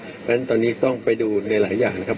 เพราะฉะนั้นตอนนี้ต้องไปดูในหลายอย่างนะครับ